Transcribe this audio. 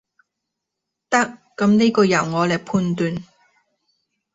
得，噉呢個由我來判斷